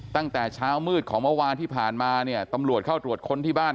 ตั้งแต่เช้ามืดของเมื่อวานที่ผ่านมาเนี่ยตำรวจเข้าตรวจค้นที่บ้าน